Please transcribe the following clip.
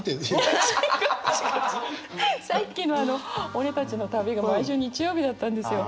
さっきの「俺たちの旅」が毎週日曜日だったんですよ。